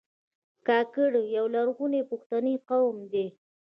کاکړ یو لرغونی پښتنی قوم دی.